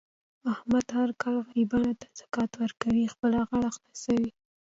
احمد هر کال غریبانو ته زکات ورکوي. خپله غاړه خلاصوي.